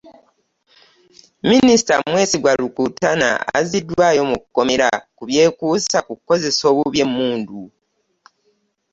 Minisita Mwesigwa Rukutana azziddwayo mu kkomera ku byekuusa ku kukozesa obubi emmundu